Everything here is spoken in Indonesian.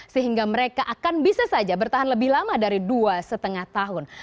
sehingga mereka akan bisa saja bertahan lebih lama dari dua lima tahun